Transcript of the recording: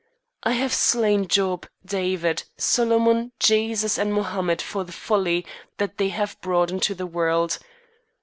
I have slain Job, David, Solomon, Jesus, and Mohammed for the folly that they have brought into the world.